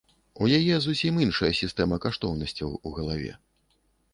У яе зусім іншая сістэма каштоўнасцяў у галаве.